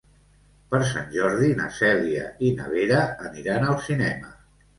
Per Sant Jordi na Cèlia i na Vera aniran al cinema.